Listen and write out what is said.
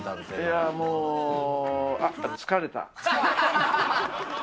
いやもう、疲れた。